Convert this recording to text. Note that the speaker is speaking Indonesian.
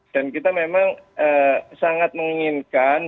dan kita memang sangat menginginkan